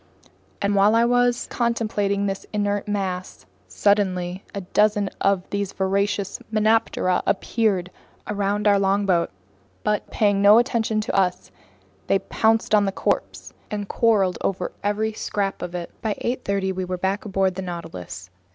While I was contemplating this inert mass, suddenly a dozen of these voracious melanoptera appeared around our longboat; but, paying no attention to us, they pounced on the corpse and quarreled over every scrap of it. By 8:30 we were back on board the Nautilus.